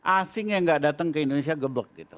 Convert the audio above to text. asing yang enggak datang ke indonesia geblok gitu